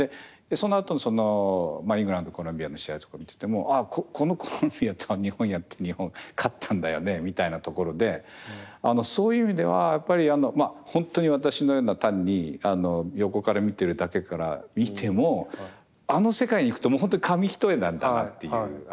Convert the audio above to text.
そのあとのイングランドコロンビアの試合とか見ててもあっこのコロンビアと日本やって日本勝ったんだよねみたいなところでそういう意味ではやっぱり本当に私のような単に横から見てるだけから見てもあの世界に行くと本当に紙一重なんだなっていう。